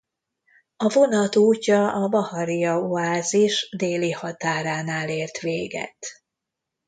A vonat útja a Baharijja-oázis déli határánál ért véget.